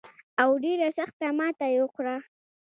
او ډېره سخته ماته یې وخوړه.